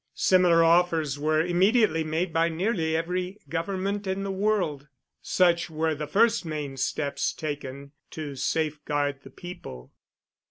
Similar offers were immediately made by nearly every government in the world. Such were the first main steps taken to safeguard the people.